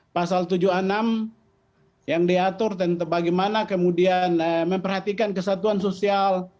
pasal tujuh puluh enam yang diatur tentang bagaimana kemudian memperhatikan kesatuan sosial